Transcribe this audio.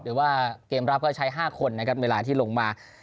หรือว่าเกมรับก็ใช้๕คนนะครับเวลาที่ลงมา